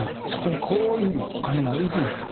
そこにこういうふうにお金が。